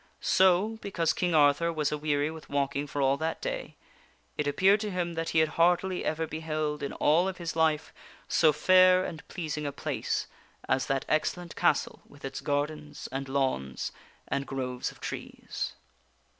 So, because King Arthur was a weary with walking for all that day, it appeared to him that he had hardly ever beheld in all of his life so fair and pleasing a place as that excellent castle with its gardens and lawns and groves of trees.